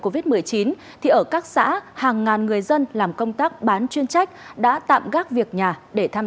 covid một mươi chín thì ở các xã hàng ngàn người dân làm công tác bán chuyên trách đã tạm gác việc nhà để tham